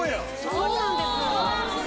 そうなんです。